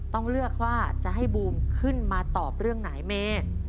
ต้องเลือกว่าจะให้บูมขึ้นมาตอบเรื่องไหนเมย์